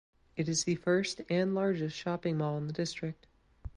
It is the first and largest shopping mall in the district.